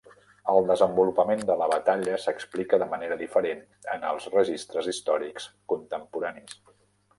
El desenvolupament de la batalla s'explica de manera diferent en els registres històrics contemporanis.